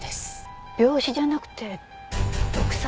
病死じゃなくて毒殺？